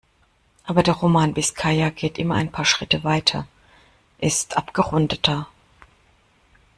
Aber der Roman "Biskaya" geht immer ein paar Schritte weiter, ist abgerundeter.